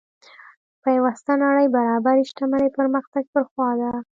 پیوسته نړۍ برابرۍ شتمنۍ پرمختګ پر خوا ده.